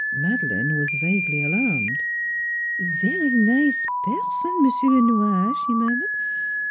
Madeleine was vaguely alarmed. " Vary nize person M'sieu' Le Noir," she murmured.